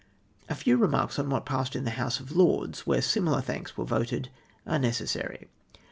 A few remarks on what passed in the House of Lords, where similar thanks Avere voted, are necessary.